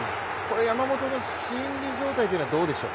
山本の心理状態というのはどうでしょう？